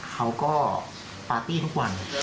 เขาก็ปาร์ตี้ทุกวัน